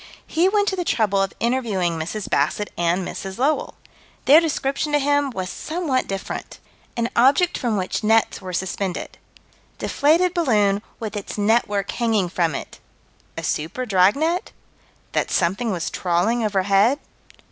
He went to the trouble of interviewing Mrs. Bassett and Mrs. Lowell. Their description to him was somewhat different: An object from which nets were suspended Deflated balloon, with its network hanging from it A super dragnet? That something was trawling overhead?